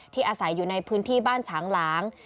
อาศัยอยู่ในพื้นที่บ้านฉางหลาง